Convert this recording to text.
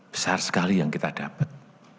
besar sekali yang kita dapat